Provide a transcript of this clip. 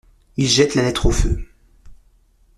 II jette la lettre au feu.